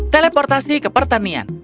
teleportasi ke pertanian